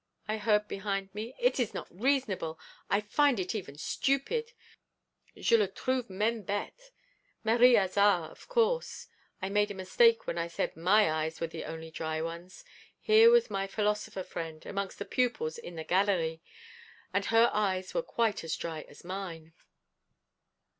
I heard behind me. 'It is not reasonable! I find it even stupid (je le trouve même bête).' Marie Hazard, of course. I made a mistake when I said my eyes were the only dry ones. Here was my philosopher friend, amongst the pupils in the Galerie, and her eyes were quite as dry as mine.